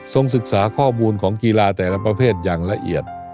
ศึกษาข้อมูลของกีฬาแต่ละประเภทอย่างละเอียด